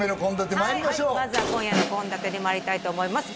はいまずは今夜の献立にまいりたいと思います